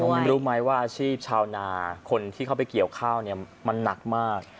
คุณรู้ไหมว่าอาชีพชาวนาคนที่เข้าไปเกี่ยวข้าวเนี่ยมันหนักมาก